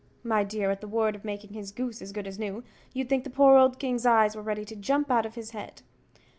My dear, at the word of making his goose as good as new, you'd think the poor old king's eyes were ready to jump out of his head.